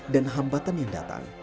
dan hambatan yang datang